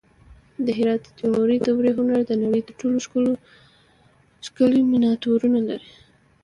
د هرات د تیموري دورې هنر د نړۍ تر ټولو ښکلي مینیاتورونه لري